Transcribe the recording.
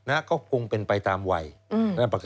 สวัสดีครับคุณผู้ชมค่ะต้อนรับเข้าที่วิทยาลัยศาสตร์